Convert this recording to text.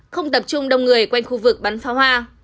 không tập trung đông người quanh khu vực bắn pháo hoa